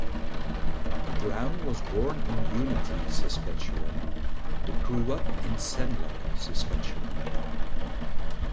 Brown was born in Unity, Saskatchewan, but grew up in Senlac, Saskatchewan.